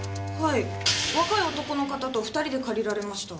若い男の方と２人で借りられました。